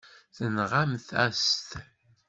Tenɣamt-as-t.